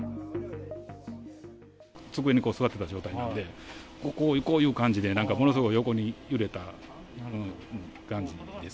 机にこう、座ってた状態なんで、こういう感じで、なんかものすごい横に揺れた感じです。